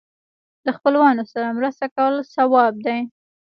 د خپلوانو سره مرسته کول ثواب دی.